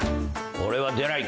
俺は出ない。